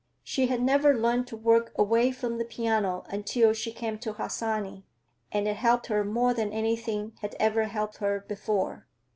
She had never learned to work away from the piano until she came to Harsanyi, and it helped her more than anything had ever helped her before.